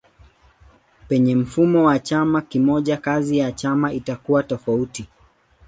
Penye mfumo wa chama kimoja kazi ya chama itakuwa tofauti.